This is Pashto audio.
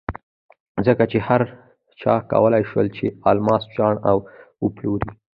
ځکه چې هر چا کولای شول چې الماس چاڼ او وپلوري.